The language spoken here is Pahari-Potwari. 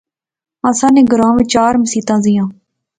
اساں نے گراں وچ چار مسیتاں زیاں